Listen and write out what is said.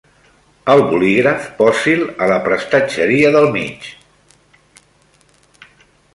El bolígraf, posi'l a la prestatgeria del mig.